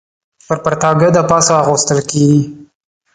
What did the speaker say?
پر پرتاګه د پاسه اغوستل کېږي.